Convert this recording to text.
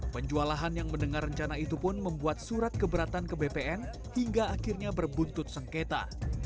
penjual lahan yang mendengar rencana itu pun membuat surat keberatan ke bpn hingga akhirnya berbuntut sengketa